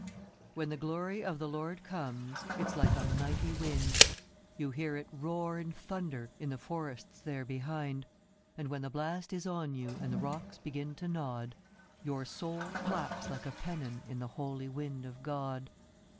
THE PROPHET. WHEN the glory of the Lord comes, it's like a mighty wind, You hear it roar and thunder in the forests there behind And when the blast is on you and the rocks begin to nod, Your soul flaps like a pennon in the holy wind of God.